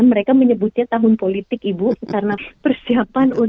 mereka menyebutnya tahun politik ibu karena persiapan untuk